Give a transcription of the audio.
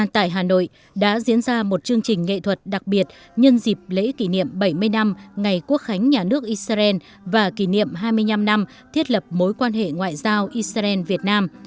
tại hà nội đã diễn ra một chương trình nghệ thuật đặc biệt nhân dịp lễ kỷ niệm bảy mươi năm ngày quốc khánh nhà nước israel và kỷ niệm hai mươi năm năm thiết lập mối quan hệ ngoại giao israel việt nam